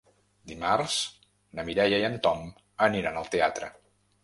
Dimarts na Mireia i en Tom aniran al teatre.